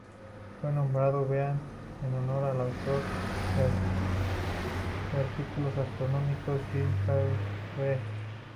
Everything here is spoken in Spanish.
Fue nombrado Beatty en honor al autor de artículos astronómicos J. Kelly Beatty.